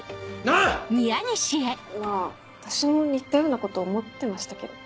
まぁ私も似たようなこと思ってましたけど。